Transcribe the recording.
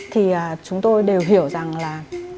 thì chúng tôi đều hiểu rằng là